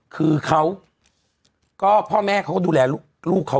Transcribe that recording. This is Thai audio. คือพ่อแม่เขาก็ดูแลลูกเขา